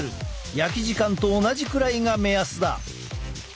焼き時間と同じくらいが目安だ。